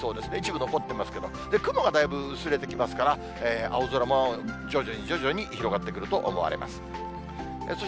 雲がだいぶ薄れてきますから、青空も徐々に徐々に広がってくると思われます。